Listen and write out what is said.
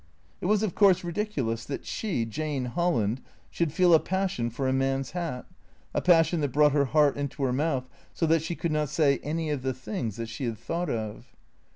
It was, of course, ridiculous, that she, Jane Holland, should feel a passion for a man's hat, a passion that brought her heart into her mouth, so that she could not say any of the things that she had thought of.